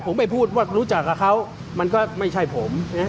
ผมไปพูดว่ารู้จักกับเขามันก็ไม่ใช่ผม